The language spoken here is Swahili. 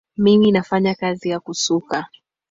mimi nafanya kazi ya kusuka